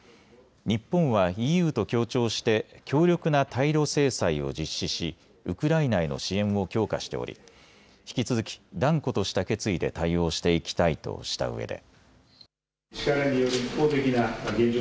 日本はＥＵと協調して強力な対ロ制裁を実施しウクライナへの支援を強化しており引き続き断固とした決意で対応していきたいとしたうえで。